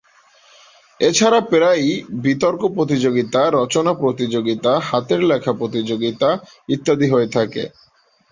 এ ছাড়া প্রায়ই বিতর্ক প্রতিযোগিতা, রচনা প্রতিযোগিতা, হাতের লেখা প্রতিযোগিতা ইত্যাদি হয়ে থাকে।